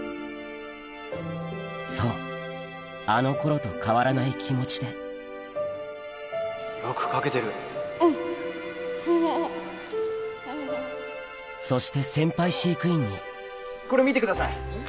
そうあの頃と変わらない気持ちでそして先輩飼育員にこれ見てください。